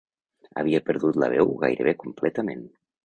Havia perdut la veu gairebé completament